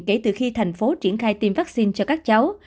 kể từ khi thành phố triển khai tiêm vaccine cho các cháu